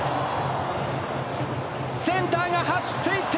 センターが走っていって。